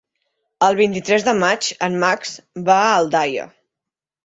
El vint-i-tres de maig en Max va a Aldaia.